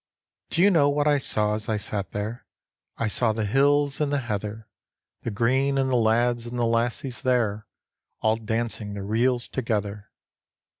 Do you know what I saw as I sat there? I saw the hills and the heather, The green, and the lads and the lassies there All dancing the reels together.